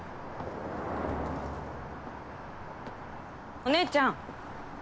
お姉ちゃん。